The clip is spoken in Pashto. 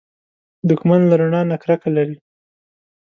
دښمن له رڼا نه کرکه لري